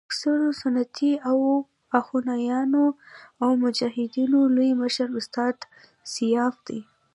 د اکثرو سنتي اخوانیانو او مجاهدینو لوی مشر استاد سیاف دی.